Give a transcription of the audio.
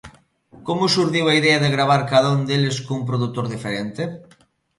Como xurdiu a idea de gravar cada un deles cun produtor diferente?